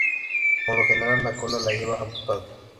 Por lo general la cola la lleva amputada.